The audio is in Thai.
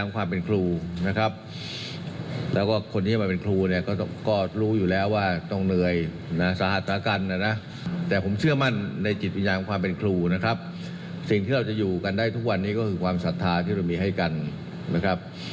การเรียนได้ทุกวันนี้ก็คือความศรัทธาที่เรามีให้กันนะครับ